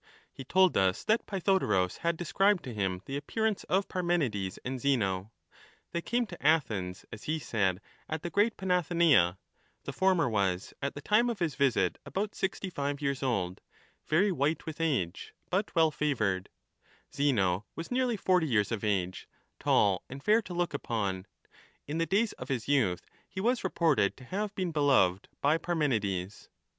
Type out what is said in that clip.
He told us that Pjrthodorus had described to him the appearance of Par menides and Zeno ; they came to Athens, as he said, at the great Panathenaea ; the former was, at the time of his visit, about 65 years old, very white with age, but well favoured^ Zeno was nearly 40 years of age, tall and fair to look upon ; in the days of his youth he was reported to have been beloved by Parmenides.